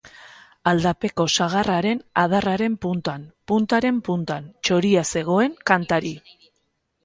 Aldapeko sagarraren adarraren puntan, puntaren puntan, txoria zegoen kantari.